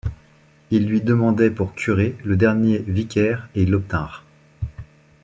Ils lui demandaient pour curé le dernier vicaire et ils l’obtinrent.